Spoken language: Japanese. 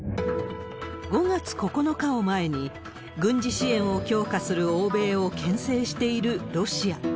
５月９日を前に、軍事支援を強化する欧米をけん制しているロシア。